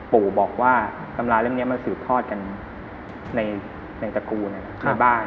ปู่บอกว่าตำราเล่มนี้มันสืบทอดกันในตระกูลในบ้าน